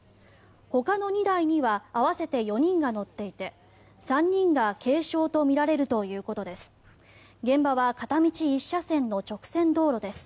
ほかの２台には合わせて４人が乗っていて３人が軽傷とみられるということです。